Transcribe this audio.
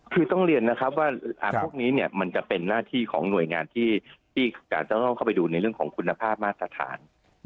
คือต้องเรียนนะครับว่าพวกนี้มันจะเป็นหน้าที่ของหน่วยงานที่จะต้องเข้าไปดูในเรื่องของคุณภาพมาตรฐาน